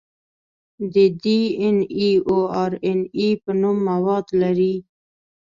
د ډي ان اې او ار ان اې په نوم مواد لري.